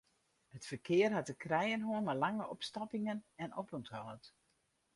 It ferkear hat te krijen hân mei lange opstoppingen en opûnthâld.